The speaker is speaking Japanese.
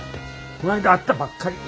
こないだ会ったばっかり。